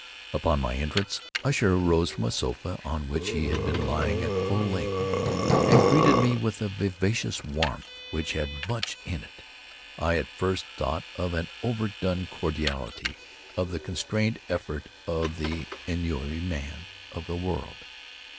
Upon my entrance, Usher arose from a sofa on which he had been lying at full length, and greeted me with a vivacious warmth which had much in it, I at first thought, of an overdone cordiality—of the constrained effort of the ennuyé man of the world.